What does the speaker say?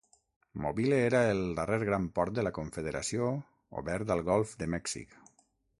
Mobile era el darrer gran port de la Confederació obert al Golf de Mèxic.